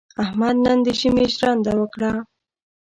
احمد نن د ژمي ژرنده وکړه.